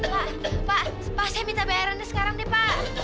pak pak pak saya minta bayaran sekarang deh pak